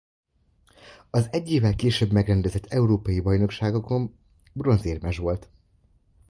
Az egy évvel később megrendezett Európa-bajnokságon bronzérmes volt.